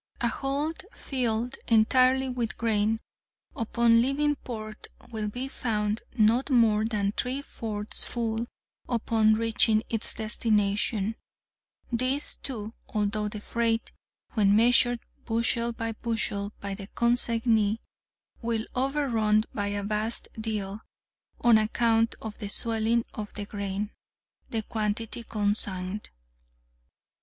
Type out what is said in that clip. A hold filled entirely with grain upon leaving port will be found not more than three fourths full upon reaching its destination—this, too, although the freight, when measured bushel by bushel by the consignee, will overrun by a vast deal (on account of the swelling of the grain) the quantity consigned.